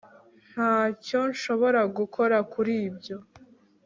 ntacyo nshobora gukora kuri ibyo